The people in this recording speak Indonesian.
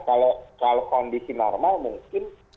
kalau kondisi normal mungkin